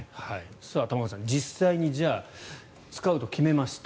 玉川さん、実際にじゃあ、使うと決めました